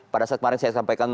pada saat kemarin saya sampaikan